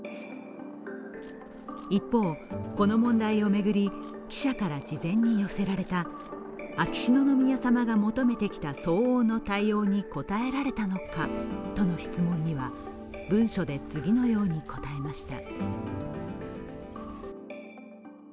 一方、この問題を巡り、記者から事前に寄せられた秋篠宮さまが求めてきた相応の対応に答えられたのか？との質問には文書で次のように答えました。